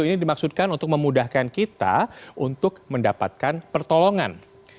ini dimaksudkan untuk memudahkan kita untuk mendapatkan pertolongan